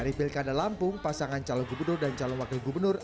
dari pilkada lampung pasangan calon gubernur dan calon wakil gubernur